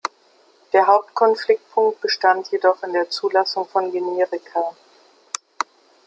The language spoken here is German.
Der Hauptkonfliktpunkt bestand jedoch in der Zulassung von Generika.